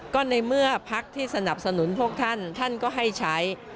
ก็ในเมื่อพักที่สนับสนุนพวกท่านท่านก็ให้ใช้